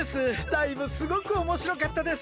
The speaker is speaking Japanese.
ライブすごくおもしろかったです。